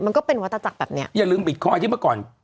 มันก็เป็นวัตจักรแบบเนี้ยอย่าลืมบิตคอยนที่เมื่อก่อน